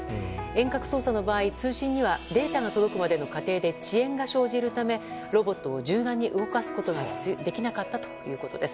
遠隔操作の場合、通信にはデータが届くまでの過程で遅延が生じるためロボットを柔軟に動かすことができなかったということです。